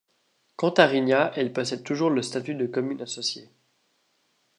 Quant à Rignat, elle possède toujours le statut de commune associée.